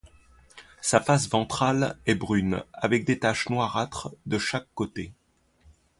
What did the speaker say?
Sa face ventrale est brune avec des taches noirâtres de chaque côté.